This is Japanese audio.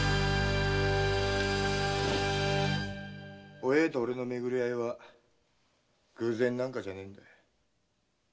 お栄と俺のめぐり会いは偶然なんかじゃねえんだ。